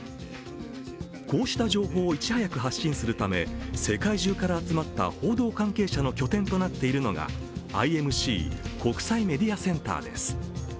こうした情報をいち早く発信するため世界中から集まった報道関係者の拠点となっているのがＩＭＣ＝国際メディアセンターです。